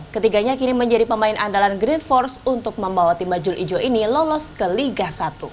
ketiganya kini menjadi pemain andalan green force untuk membawa tim bajul ijo ini lolos ke liga satu